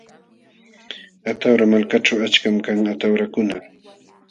Atawra malkaćhu achkam kan atawrakuna.